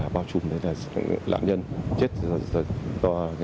bao trùm là nạn nhân